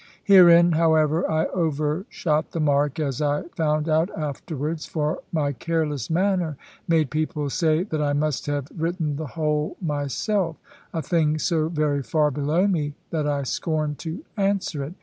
Herein, however, I overshot the mark, as I found out afterwards; for my careless manner made people say that I must have written the whole myself a thing so very far below me, that I scorn to answer it.